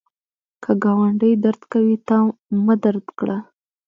که ګاونډی درد کوي، تا مه درد کړه